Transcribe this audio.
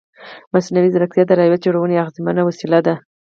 مصنوعي ځیرکتیا د روایت جوړونې اغېزمنه وسیله ده.